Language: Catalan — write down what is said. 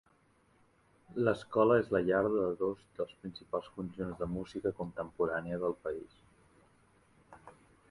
L'escola és la llar de dos dels principals conjunts de música contemporània del país.